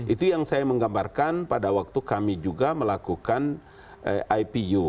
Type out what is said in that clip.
itu yang saya menggambarkan pada waktu kami juga melakukan ipu